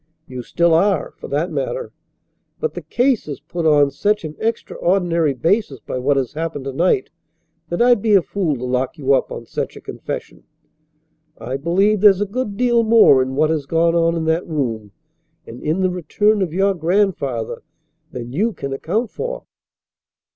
You still are, for that matter. But the case is put on such an extraordinary basis by what has happened to night that I'd be a fool to lock you up on such a confession. I believe there's a good deal more in what has gone on in that room and in the return of your grandfather than you can account for."